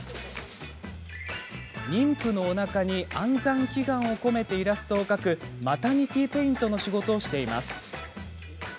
妊婦のおなかに安産祈願を込めてイラストを描くマタニティーペイントの仕事をしています。